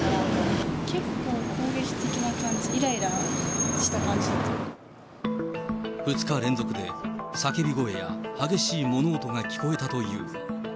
結構、攻撃的な感じ、２日連続で、叫び声や激しい物音が聞こえたという。